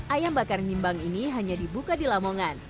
ayam bakar nimbang ini hanya dibuka di lamongan